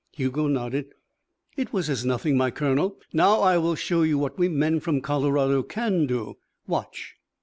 Hugo nodded. "It was as nothing, my colonel. Now I will show you what we men from Colorado can do. Watch."